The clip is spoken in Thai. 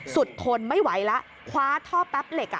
ทนไม่ไหวแล้วคว้าท่อแป๊บเหล็ก